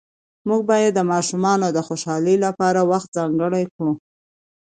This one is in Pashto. موږ باید د ماشومانو د خوشحالۍ لپاره وخت ځانګړی کړو